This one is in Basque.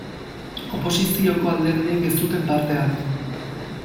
Oposizioko alderdiek ez zuten parte hartu.